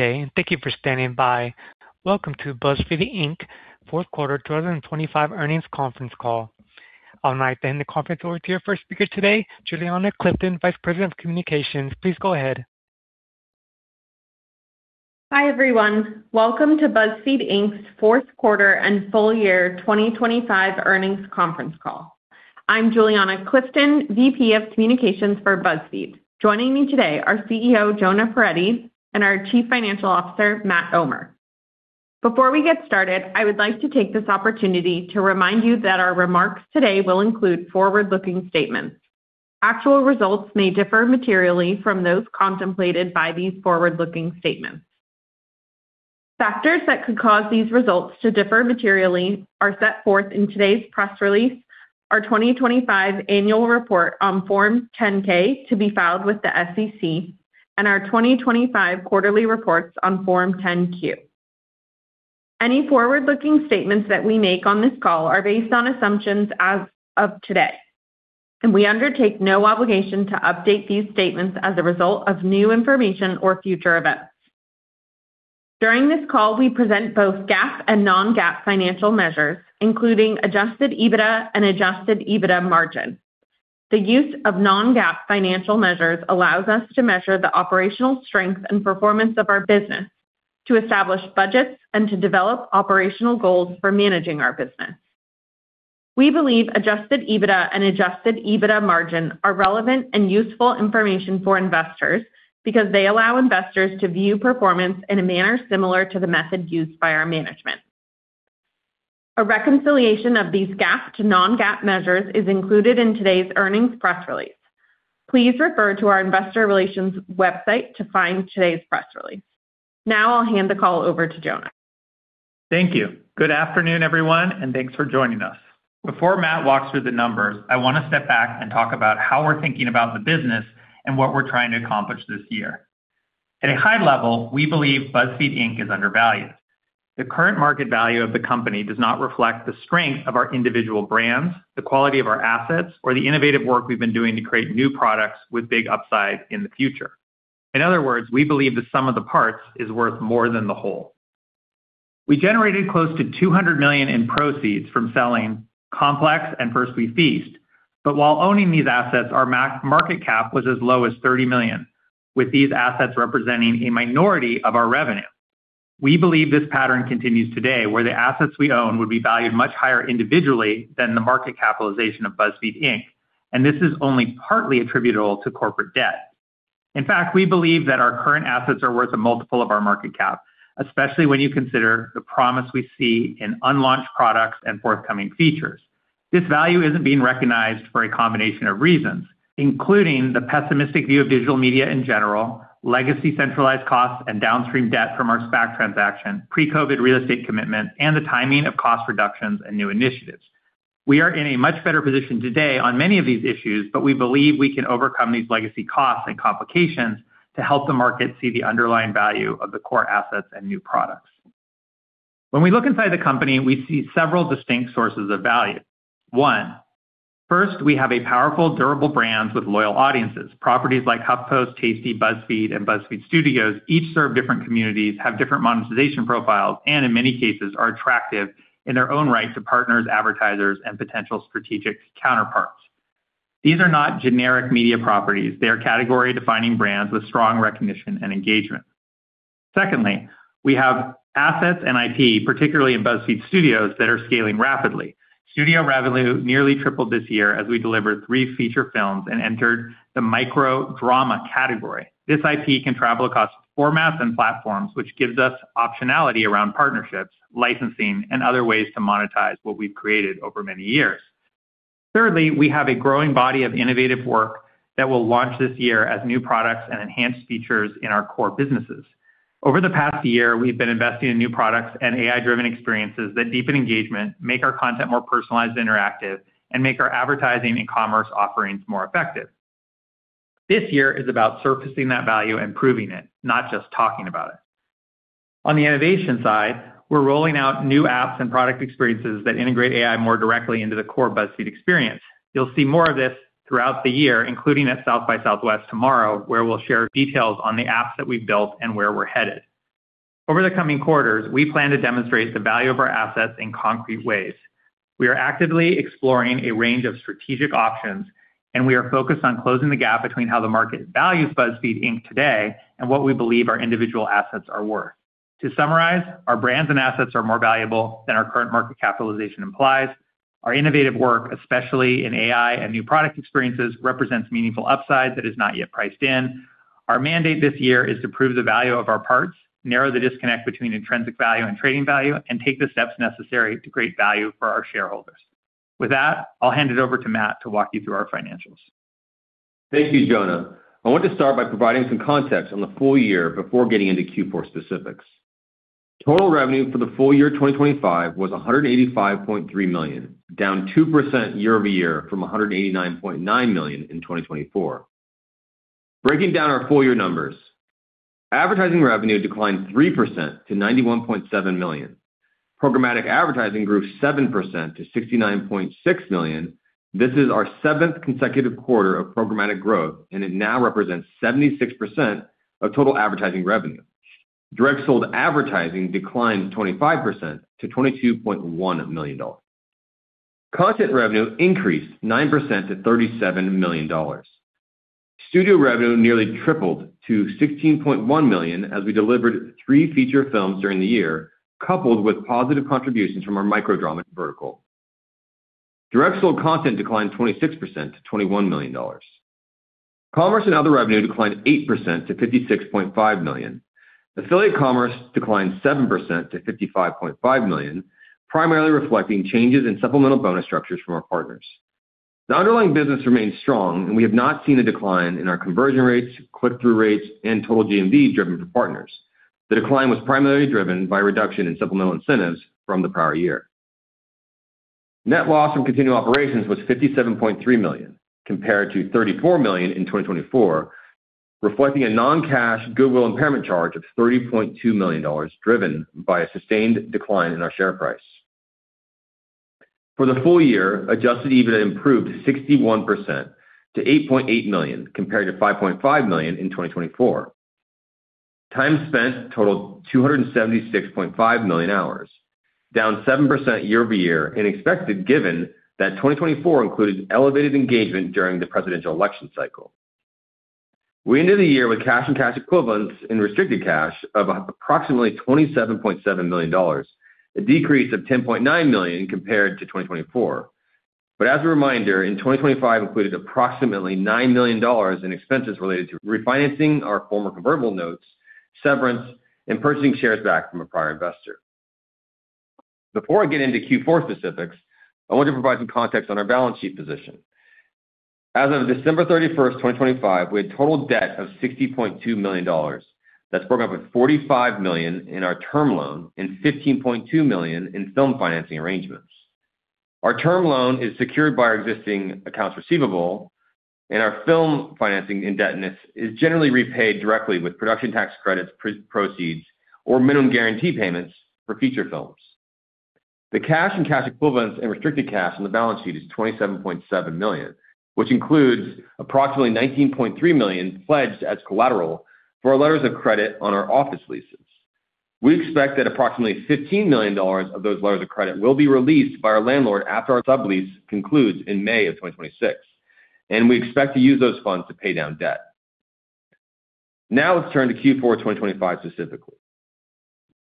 Day, and thank you for standing by. Welcome to BuzzFeed Inc. fourth quarter 2025 earnings conference call. I'll now hand the conference over to your first speaker today, Juliana Clifton, Vice President of Communications. Please go ahead. Hi, everyone. Welcome to BuzzFeed, Inc.'s fourth quarter and full year 2025 earnings conference call. I'm Juliana Clifton, Vice President of Communications for BuzzFeed. Joining me today are Chief Executive Officer Jonah Peretti and our Chief Financial Officer Matt Omer. Before we get started, I would like to take this opportunity to remind you that our remarks today will include forward-looking statements. Actual results may differ materially from those contemplated by these forward-looking statements. Factors that could cause these results to differ materially are set forth in today's press release, our 2025 annual report on Form 10-K to be filed with the SEC, and our 2025 quarterly reports on Form 10-Q. Any forward-looking statements that we make on this call are based on assumptions as of today, and we undertake no obligation to update these statements as a result of new information or future events. During this call, we present both GAAP and non-GAAP financial measures, including adjusted EBITDA and adjusted EBITDA margin. The use of non-GAAP financial measures allows us to measure the operational strength and performance of our business, to establish budgets, and to develop operational goals for managing our business. We believe adjusted EBITDA and adjusted EBITDA margin are relevant and useful information for investors because they allow investors to view performance in a manner similar to the method used by our management. A reconciliation of these GAAP to non-GAAP measures is included in today's earnings press release. Please refer to our investor relations website to find today's press release. Now I'll hand the call over to Jonah. Thank you. Good afternoon, everyone, and thanks for joining us. Before Matt walks through the numbers, I wanna step back and talk about how we're thinking about the business and what we're trying to accomplish this year. At a high level, we believe BuzzFeed, Inc. is undervalued. The current market value of the company does not reflect the strength of our individual brands, the quality of our assets, or the innovative work we've been doing to create new products with big upside in the future. In other words, we believe the sum of the parts is worth more than the whole. We generated close to $200 million in proceeds from selling Complex and First We Feast. While owning these assets, our market cap was as low as $30 million, with these assets representing a minority of our revenue. We believe this pattern continues today, where the assets we own would be valued much higher individually than the market capitalization of BuzzFeed Inc., and this is only partly attributable to corporate debt. In fact, we believe that our current assets are worth a multiple of our market cap, especially when you consider the promise we see in unlaunched products and forthcoming features. This value isn't being recognized for a combination of reasons, including the pessimistic view of digital media in general, legacy centralized costs and downstream debt from our SPAC transaction, pre-COVID real estate commitment, and the timing of cost reductions and new initiatives. We are in a much better position today on many of these issues, but we believe we can overcome these legacy costs and complications to help the market see the underlying value of the core assets and new products. When we look inside the company, we see several distinct sources of value. One, first, we have a powerful, durable brands with loyal audiences. Properties like HuffPost, Tasty, BuzzFeed, and BuzzFeed Studios each serve different communities, have different monetization profiles, and in many cases, are attractive in their own right to partners, advertisers, and potential strategic counterparts. These are not generic media properties. They are category-defining brands with strong recognition and engagement. Secondly, we have assets and IP, particularly in BuzzFeed Studios, that are scaling rapidly. Studio revenue nearly tripled this year as we delivered three feature films and entered the micro drama category. This IP can travel across formats and platforms, which gives us optionality around partnerships, licensing, and other ways to monetize what we've created over many years. Thirdly, we have a growing body of innovative work that will launch this year as new products and enhanced features in our core businesses. Over the past year, we've been investing in new products and AI-driven experiences that deepen engagement, make our content more personalized, interactive, and make our advertising and commerce offerings more effective. This year is about surfacing that value and proving it, not just talking about it. On the innovation side, we're rolling out new apps and product experiences that integrate AI more directly into the core BuzzFeed experience. You'll see more of this throughout the year, including at South by Southwest tomorrow, where we'll share details on the apps that we've built and where we're headed. Over the coming quarters, we plan to demonstrate the value of our assets in concrete ways. We are actively exploring a range of strategic options, and we are focused on closing the gap between how the market values BuzzFeed Inc. today and what we believe our individual assets are worth. To summarize, our brands and assets are more valuable than our current market capitalization implies. Our innovative work, especially in AI and new product experiences, represents meaningful upside that is not yet priced in. Our mandate this year is to prove the value of our parts, narrow the disconnect between intrinsic value and trading value, and take the steps necessary to create value for our shareholders. With that, I'll hand it over to Matt to walk you through our financials. Thank you, Jonah. I want to start by providing some context on the full year before getting into Q4 specifics. Total revenue for the full year 2025 was $185.3 million, down 2% year-over-year from $189.9 million in 2024. Breaking down our full year numbers. Advertising revenue declined 3% to $91.7 million. Programmatic advertising grew 7% to $69.6 million. This is our seventh consecutive quarter of programmatic growth, and it now represents 76% of total advertising revenue. Direct sold advertising declined 25% to $22.1 million. Content revenue increased 9% to $37 million. Studio revenue nearly tripled to $16.1 million as we delivered three feature films during the year, coupled with positive contributions from our micro drama vertical. Direct sold content declined 26% to $21 million. Commerce and other revenue declined 8% to $56.5 million. Affiliate commerce declined 7% to $55.5 million, primarily reflecting changes in supplemental bonus structures from our partners. The underlying business remains strong, and we have not seen a decline in our conversion rates, click-through rates, and total GMV driven from partners. The decline was primarily driven by a reduction in supplemental incentives from the prior year. Net loss from continuing operations was $57.3 million compared to $34 million in 2024, reflecting a non-cash goodwill impairment charge of $30.2 million, driven by a sustained decline in our share price. For the full year, adjusted EBITDA improved 61% to $8.8 million, compared to $5.5 million in 2024. Time spent totaled 276.5 million hours, down 7% year-over-year and expected given that 2024 included elevated engagement during the presidential election cycle. We ended the year with cash and cash equivalents in restricted cash of approximately $27.7 million, a decrease of $10.9 million compared to 2024. As a reminder, in 2025 included approximately $9 million in expenses related to refinancing our former convertible notes, severance, and purchasing shares back from a prior investor. Before I get into Q4 specifics, I want to provide some context on our balance sheet position. As of December 31st, 2025, we had total debt of $60.2 million. That's broken up with $45 million in our term loan and $15.2 million in film financing arrangements. Our term loan is secured by our existing accounts receivable, and our film financing indebtedness is generally repaid directly with production tax credits, proceeds, or minimum guarantee payments for feature films. The cash and cash equivalents and restricted cash on the balance sheet is $27.7 million, which includes approximately $19.3 million pledged as collateral for our letters of credit on our office leases. We expect that approximately $15 million of those letters of credit will be released by our landlord after our sublease concludes in May of 2026, and we expect to use those funds to pay down debt. Now, let's turn to Q4 2025 specifically.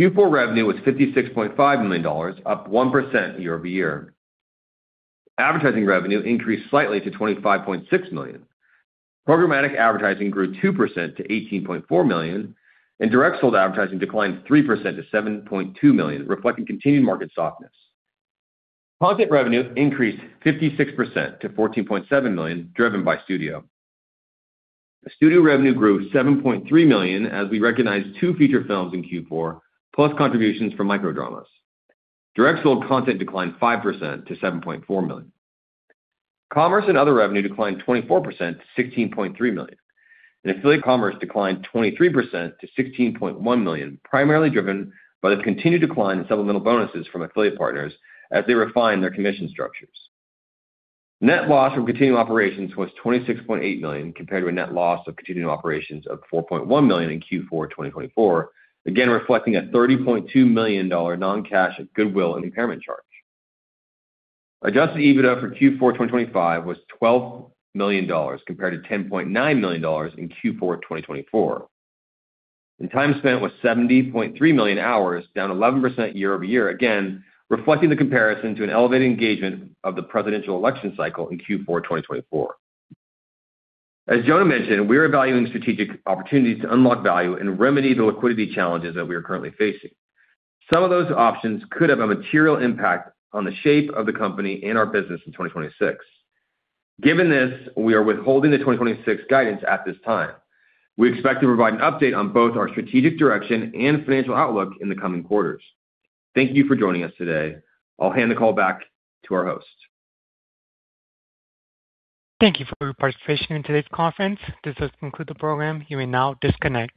Q4 revenue was $56.5 million, up 1% year-over-year. Advertising revenue increased slightly to $25.6 million. Programmatic advertising grew 2% to $18.4 million, and direct sold advertising declined 3% to $7.2 million, reflecting continued market softness. Content revenue increased 56% to $14.7 million, driven by Studio. Studio revenue grew $7.3 million as we recognized two feature films in Q4, plus contributions from micro dramas. Direct sold content declined 5% to $7.4 million. Commerce and other revenue declined 24% to $16.3 million, and affiliate commerce declined 23% to $16.1 million, primarily driven by the continued decline in supplemental bonuses from affiliate partners as they refine their commission structures. Net loss from continuing operations was $26.8 million, compared to a net loss of continuing operations of $4.1 million in Q4 2024, again reflecting a $30.2 million-dollar non-cash goodwill impairment charge. Adjusted EBITDA for Q4 2025 was $12 million, compared to $10.9 million in Q4 2024. Time spent was 70.3 million hours, down 11% year-over-year, again reflecting the comparison to an elevated engagement of the presidential election cycle in Q4 2024. As Jonah mentioned, we are evaluating strategic opportunities to unlock value and remedy the liquidity challenges that we are currently facing. Some of those options could have a material impact on the shape of the company and our business in 2026. Given this, we are withholding the 2026 guidance at this time. We expect to provide an update on both our strategic direction and financial outlook in the coming quarters. Thank you for joining us today. I'll hand the call back to our host. Thank you for your participation in today's conference. This does conclude the program. You may now disconnect.